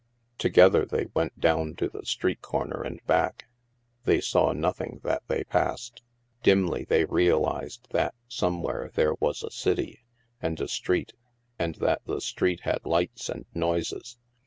Together they went down to the street corner and back. They saw nothing that they passed. Dimly they realized that somewhere there was a city, and a street, and that the street had lights and noises.